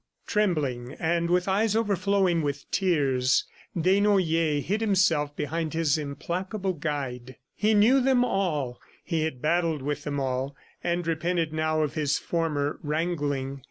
Trembling and with eyes overflowing with tears, Desnoyers hid himself behind his implacable guide. He knew them all, he had battled with them all, and repented now of his former wrangling.